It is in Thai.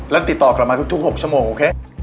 แล้วติดต่อกลับมาทุก๖ชั่วโมงโอเค